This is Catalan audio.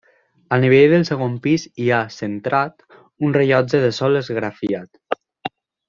Al nivell del segon pis hi ha, centrat, un rellotge de sol esgrafiat.